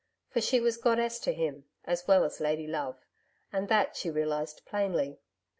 For she was goddess to him, as well as lady love and that she realised plainly.